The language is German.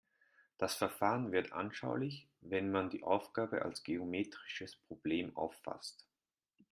Das Verfahren wird anschaulich, wenn man die Aufgabe als geometrisches Problem auffasst.